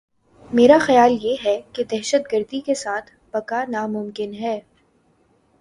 میرا خیال یہ ہے کہ دہشت گردی کے ساتھ بقا ناممکن ہے۔